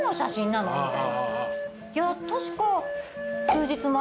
いや確か。